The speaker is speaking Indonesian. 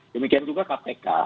demikian juga kpk